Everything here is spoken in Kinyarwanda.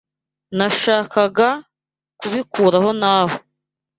Nashakaga kubikuraho nawe.